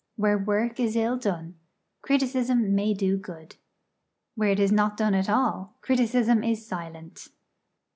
Where work is ill done, criticism may do good. Where it is not done at all, criticism is silent.